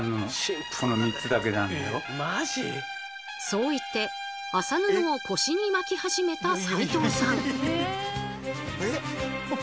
そう言って麻布を腰に巻き始めた齋藤さん。